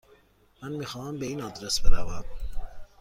من میخواهم به این آدرس بروم.